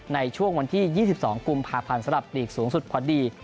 ในช่วงวันที่๒๒กุมภาพันธ์สำหรับหลีกสูงสุดพอดี